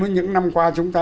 với những năm qua chúng ta